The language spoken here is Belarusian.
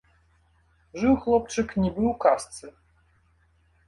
Жыў хлопчык нібы ў казцы.